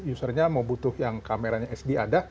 usernya mau butuh yang kameranya hd ada